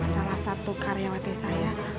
salah satu karyawati saya